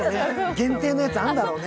限定のやつあるんだろうね。